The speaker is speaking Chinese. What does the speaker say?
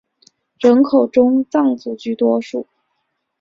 人口中藏族居多数。